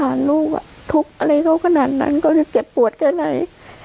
อาหารลูกทุกข์อะไรเขาขนาดนั้นก็จะเจ็บปวดค่ะไหน